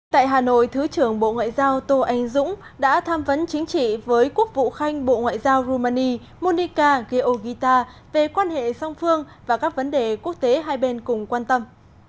tại hà nội thứ trưởng bộ ngoại giao tô anh dũng đã tham vấn chính trị với quốc vụ khanh bộ ngoại giao rumani monica georgita về quan hệ song phương và các vấn đề quốc tế hai bên cùng quan tâm